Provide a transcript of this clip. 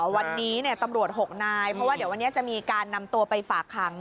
วันนี้ตำรวจ๖นายเพราะว่าเดี๋ยววันนี้จะมีการนำตัวไปฝากขัง